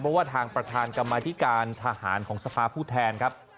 เพราะว่าทางประธานกรรมธิการทหารของสภาผู้แทนครับ